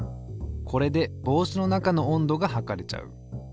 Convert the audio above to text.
これで帽子の中の温度が測れちゃう。